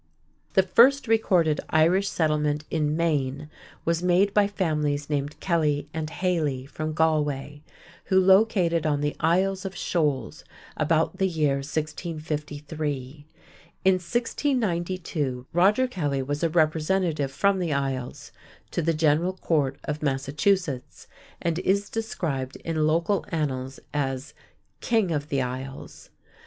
The first recorded Irish settlement in Maine was made by families named Kelly and Haley from Galway, who located on the Isles of Shoals about the year 1653. In 1692, Roger Kelly was a representative from the Isles to the General Court of Massachusetts, and is described in local annals as "King of the Isles."